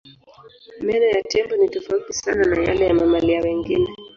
Meno ya tembo ni tofauti sana na yale ya mamalia wengine.